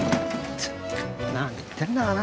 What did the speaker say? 何言ってんだかな